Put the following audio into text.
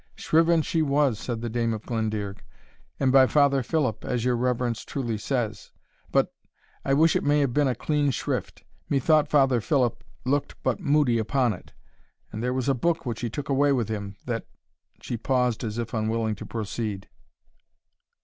"Shriven she was," said the Dame of Glendearg, "and by Father Philip, as your reverence truly says but I wish it may have been a clean shrift Methought Father Philip looked but moody upon it and there was a book which he took away with him, that " She paused as if unwilling to proceed.